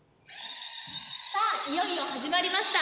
さあいよいよ始まりました